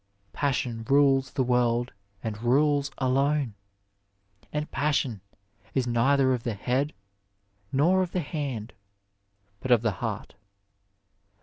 Passion rules the world, and rules alone. And passion is neither of the head nor of the hand, but of the heart.